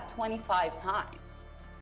dia dijerang dua puluh lima kali